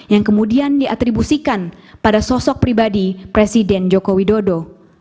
yang kemudian diatribusikan pada sosok pribadi presiden joko widodo